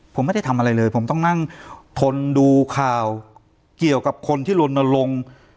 ผมไม่ได้ทำอะไรเลยผมต้องนั่งทนดูข่าวเกี่ยวกับคนที่ลนลง